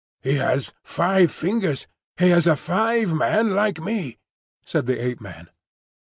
"He has five fingers, he is a five man like me," said the Ape man.